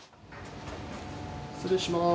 失礼します。